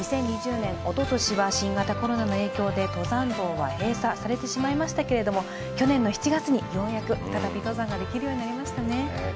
２０２０年、おととしは新型コロナの影響で登山道は閉鎖されてしまいましたけれども、去年の７月にようやく、再び登山ができるようになりましたね。